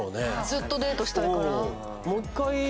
ずっとデートしたいから？